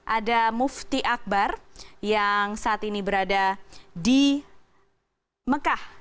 ada mufti akbar yang saat ini berada di mekah